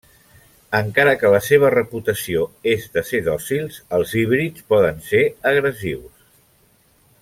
Encara que la seva reputació és de ser dòcils els híbrids poden ser agressius.